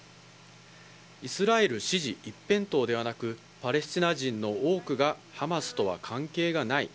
イスラエル支持一辺倒ではなく、パレスチナ人の多くがハマスとは関係がない。